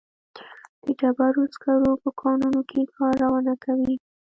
د ډبرو سکرو په کانونو کې کارونه کوي.